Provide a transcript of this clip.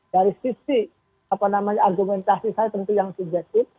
dari sisi argumentasi saya tentu yang subjektif